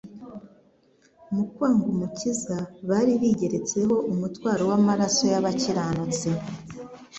Mu kwanga Umukiza, bari bigeretseho umutwaro w'amaraso y'abakiranutsi